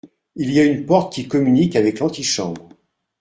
Il y a une porte qui communique avec l’antichambre !